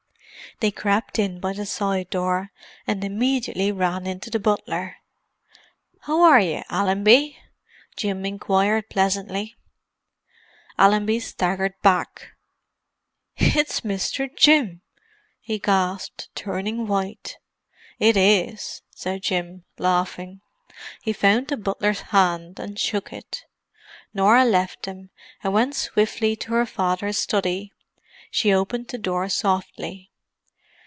They crept in by a side door, and immediately ran into the butler. "How are you, Allenby?" Jim inquired pleasantly. Allenby staggered back. "It's Mr. Jim!" he gasped, turning white. "It is," said Jim, laughing. He found the butler's hand, and shook it. Norah left them, and went swiftly to her father's study. She opened the door softly.